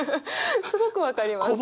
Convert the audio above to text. すごく分かります。